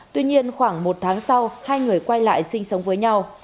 tuy nhiên khoảng một tháng sau hai người quay lại sinh sống với nhau